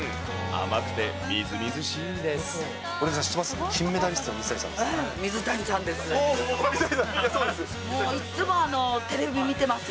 甘くてみずみずしいんです。